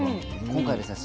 今回ですね